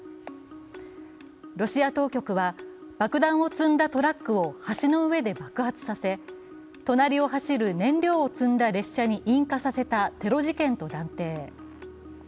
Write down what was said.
ロシア当局は、爆弾を積んだトラックを橋の上で爆発させ隣を走る燃料を積んだ列車に引火させたテロ事件と断定。